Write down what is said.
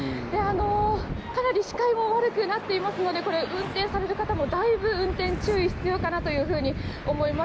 かなり視界も悪くなってますので、運転される方もだいぶ運転に注意が必要かなと思います。